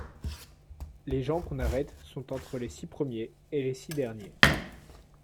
Les gens qu'on arrête sont entre les six premiers et les six derniers.